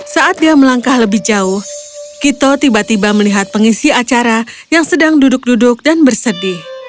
saat dia melangkah lebih jauh kito tiba tiba melihat pengisi acara yang sedang duduk duduk dan bersedih